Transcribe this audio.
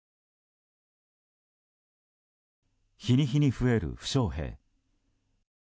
日に日に増える負傷兵。